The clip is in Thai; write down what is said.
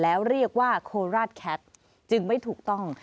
แล้วเรียกว่าโคราชแคทจึงไม่ถูกต้อง